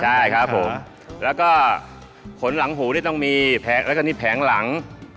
ใช่ครับผมแล้วก็ขนหลังหูเนี่ยต้องมีแผงหลัง